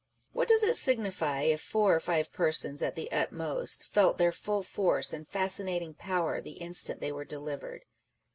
What does it signify if four or five persons, at the utmost, felt their full force and fascinating power the instant they were delivered?